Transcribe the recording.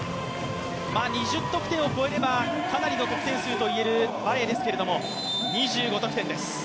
２０得点を超えればかなりの得点数といえるバレーですけれども、２５得点です。